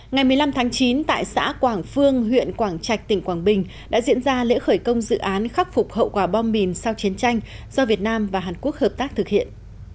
ngày một mươi năm tháng chín tại xã quảng phương huyện quảng trạch tỉnh quảng bình đã diễn ra lễ khởi công dự án khắc phục hậu quả bom mìn sau chiến tranh do việt nam và hàn quốc hợp tác thực hiện